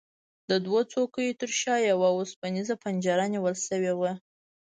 د دوو څوکیو ترشا یوه اوسپنیزه پنجره نیول شوې وه.